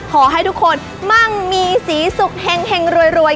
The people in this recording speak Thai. ขอให้ทุกคนมั่งมีสีสุขเห็งรวย